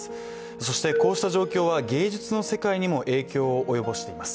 そして、こうした状況は芸術の世界にも影響を及ぼしています。